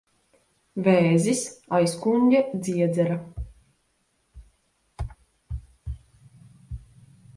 Vēzis. Aizkuņģa dziedzera.